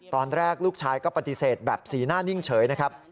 ตอนแรกลูกชายก็ปฏิเสธแบบสีหน้านิ่งเฉยนะครับ